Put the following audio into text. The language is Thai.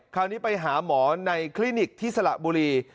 คราวนี้ไปหาหมอในคลินิกที่สระบุรี